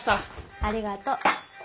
ありがとう。